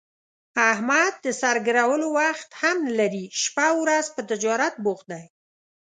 احمد د سر ګرولو وخت هم نه لري، شپه اورځ په تجارت بوخت دی.